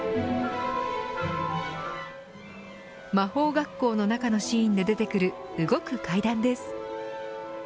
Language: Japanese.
魔法学校の中のシーンで出てくる動く階段です。